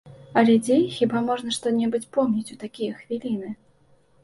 Але дзе, хіба можна што-небудзь помніць у такія хвіліны?